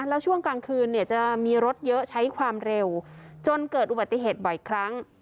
แล้วช่วงกลางคืนจะมีรถเยอะใช้ความเร็วจนเกิดอุบัติเหตุบ่อยครั้ง